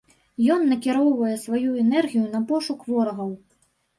Ён накіроўвае сваю энергію на пошук ворагаў.